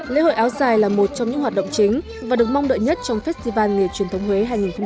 lễ hội áo dài là một trong những hoạt động chính và được mong đợi nhất trong festival nghề truyền thống huế hai nghìn một mươi chín